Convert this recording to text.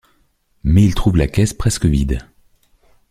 Mais ils trouvent la caisse presque vide.